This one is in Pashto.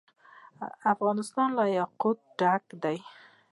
افغانستان له یاقوت ډک دی.